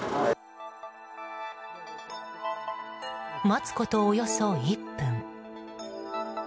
待つこと、およそ１分。